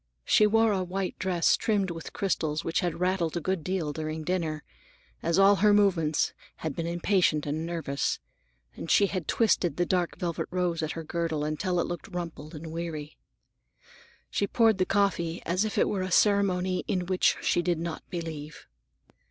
She wore a white dress trimmed with crystals which had rattled a good deal during dinner, as all her movements had been impatient and nervous, and she had twisted the dark velvet rose at her girdle until it looked rumpled and weary. She poured the coffee as if it were a ceremony in which she did not believe.